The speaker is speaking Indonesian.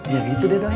ya gitu deh doi